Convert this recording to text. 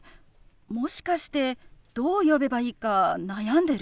もしかしてどう呼べばいいか悩んでる？